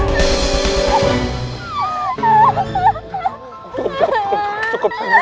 cukup cukup cukup cukup sayang